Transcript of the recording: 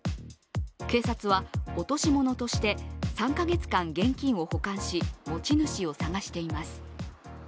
警察は、落とし物として３か月間、現金を保管し持ち主を捜しています。